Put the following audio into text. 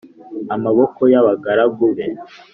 amaboko y abagaragu be